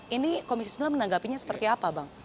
ini komisi sembilan menanggapinya seperti apa bang